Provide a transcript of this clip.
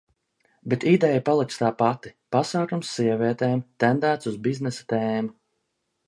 Bet ideja paliks tā pati, pasākums sievietēm, tendēts uz biznesa tēmu.